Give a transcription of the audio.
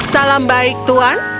salam baik tuan